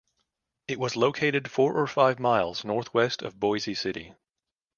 It was located four or five miles northwest of Boise City.